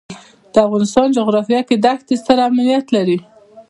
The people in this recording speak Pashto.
د افغانستان جغرافیه کې دښتې ستر اهمیت لري.